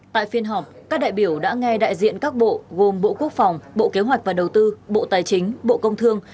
tại phiên họp các đại biểu đã nghe đại diện các bộ gồm bộ quốc phòng bộ kế hoạch và đầu tư bộ tài chính bộ công thương